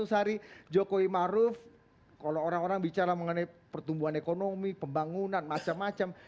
seratus hari jokowi maruf kalau orang orang bicara mengenai pertumbuhan ekonomi pembangunan macam macam